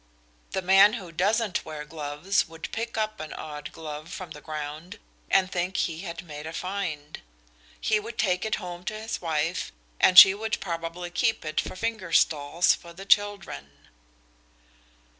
The man who doesn't wear gloves would pick up an odd glove from the ground and think he had made a find. He would take it home to his wife and she would probably keep it for finger stalls for the children."